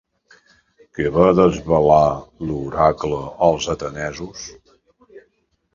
Què va desvelar l'oracle als atenesos?